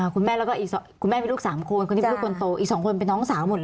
คุณแม่แล้วก็อีกคุณแม่มีลูก๓คนคนนี้เป็นลูกคนโตอีก๒คนเป็นน้องสาวหมดเลย